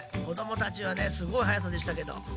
こどもたちはねすごいはやさでしたけど。